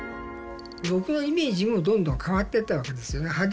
僕のイメージもどんどん変わってったわけですよね。